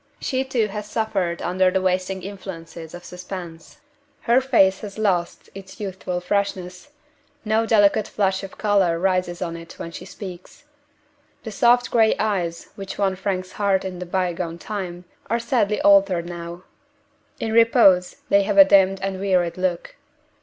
She too has suffered under the wasting influences of suspense. Her face has lost its youthful freshness; no delicate flush of color rises on it when she speaks. The soft gray eyes which won Frank's heart in the by gone time are sadly altered now. In repose, they have a dimmed and wearied look.